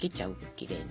きれいに。